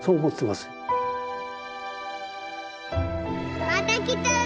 また来たら。